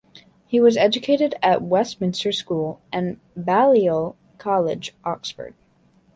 He was educated at Westminster School and Balliol College, Oxford.